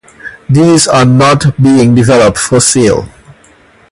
These are not being developed for sale.